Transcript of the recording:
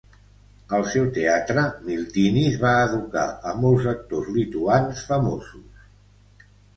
Al seu teatre, Miltinis va educar a molts actors lituans famosos.